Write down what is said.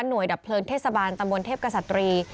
โดยดับเพลิงเทศบาลตำบลเทพกษัตรี